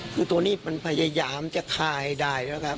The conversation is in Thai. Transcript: คือตัวนี้มันพยายามจะฆ่าให้ได้แล้วครับ